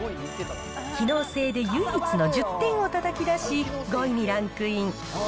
機能性で唯一の１０点をたたき出し、５位にランクイン。